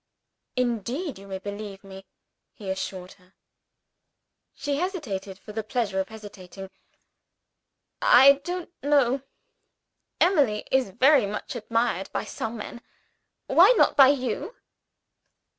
"Indeed you may believe me!" he assured her. She hesitated for the pleasure of hesitating. "I don't know. Emily is very much admired by some men. Why not by you?"